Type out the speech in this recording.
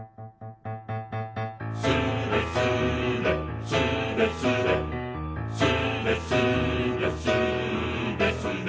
「スレスレスレスレ」「スレスレスーレスレ」